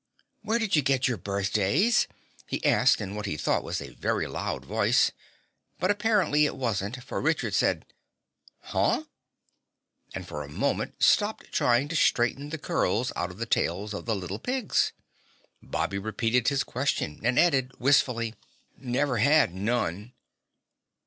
"Where did you get your birthdays?" he asked in what he thought was a very loud voice, but apparently it wasn't for Richard said "Huh?" and for a moment stopped trying to straighten the curls out of the tails of the little pigs. Bobby repeated his question and added wistfully: "Never had none."